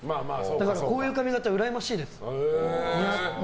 だからこういう髪形うらやましいです。